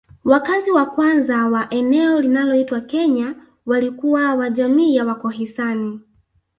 Wakazi wa kwanza wa eneo linaloitwa Kenya walikuwa wa jamii ya Wakhoisan